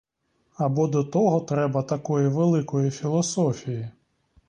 Або до того треба такої великої філософії?